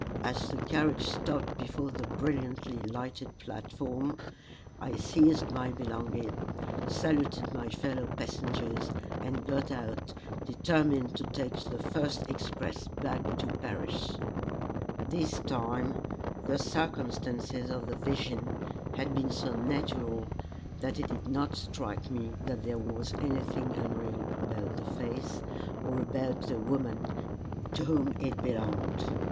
As the carriage stopped before the brilliantly lighted platform, I seized my belongings, saluted my fellow passengers, and got out, determined to take the first express back to Paris. This time the circumstances of the vision had been so natural that it did not strike me that there was anything unreal about the face, or about the woman to whom it belonged.